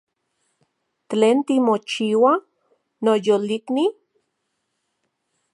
¿Tlen timochiua, noyolikni?